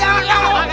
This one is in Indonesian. makan makan makan